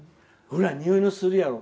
ほら、においするやろ？